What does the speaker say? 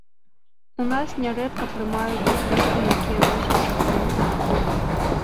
У нас нярэдка прымаюць дэкрэты, якія носяць часовы характар.